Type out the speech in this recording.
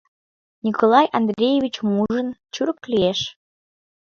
Николай Андреевичым ужын, чурк лиеш.